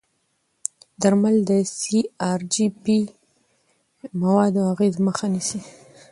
درمل د سی ار جي پي موادو اغېزې مخه نیسي.